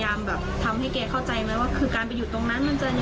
แบบทำให้แกเข้าใจไหมว่าคือการไปอยู่ตรงนั้นมันจะยังไง